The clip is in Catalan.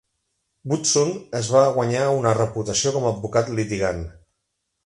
Woodson es va guanyar una reputació com a advocat litigant.